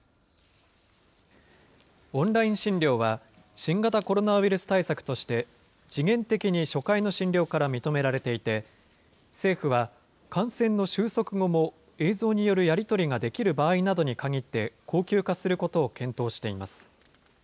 オンライン診療は、新型コロナウイルス対策として、時限的に初回の診療から認められていて、政府は感染の収束後も映像によるやり取りができる場合などにかぎって、恒久化することを検討しています。